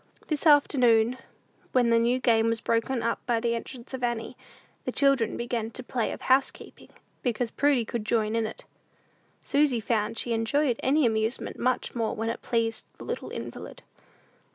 This afternoon, when the new game was broken up by the entrance of Annie, the children began the play of housekeeping, because Prudy could join in it. Susy found she enjoyed any amusement much more when it pleased the little invalid.